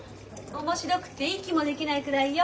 面白くて息もできないくらいよ。